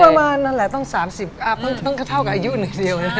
ประมาณนั้นแหละต้อง๓๐ต้องเท่ากับอายุหนึ่งเดียว